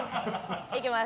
いきます。